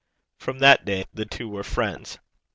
From that day the two were friends.